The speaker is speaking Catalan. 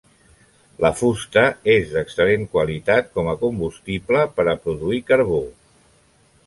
La fusta és d'excel·lent qualitat com a combustible per a produir carbó.